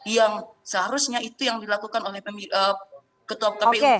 yang seharusnya itu yang dilakukan oleh ketua kpu